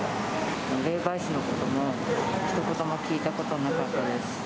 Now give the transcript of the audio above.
霊媒師のこともひと言も聞いたことなかったですし。